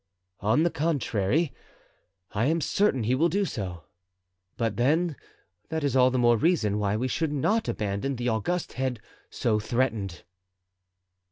"On the contrary, I am certain he will do so. But then that is all the more reason why we should not abandon the august head so threatened."